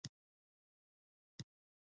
ممپلي و خورئ.